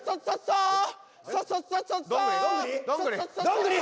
どんぐり？